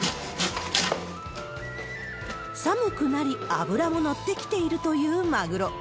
寒くなり、脂も乗ってきているというマグロ。